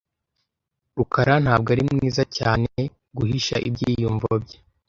rukara ntabwo ari mwiza cyane. guhisha ibyiyumvo bye .